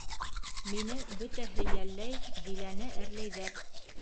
Мине бөтәһе йәлләй, Диләне әрләйҙәр.